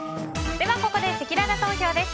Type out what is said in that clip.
ここでせきらら投票です。